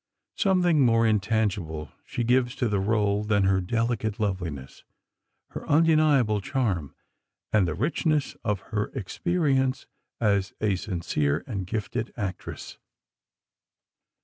Something more intangible she gives to the rôle than her delicate loveliness, her undeniable charm and the richness of her experience as a sincere and gifted actress.